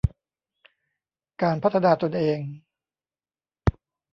การพัฒนาตนเอง